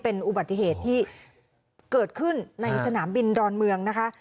เป็นอุบัติเหตุที่เกิดขึ้นในสนามบินดอนเมืองนะคะ